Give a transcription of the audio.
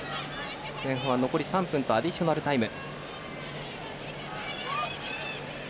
前半は残り３分とアディショナルタイム。